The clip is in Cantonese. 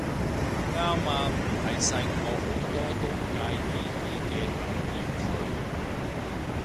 啱啊唔係細我好多都嗌姨姨嘅揼扁佢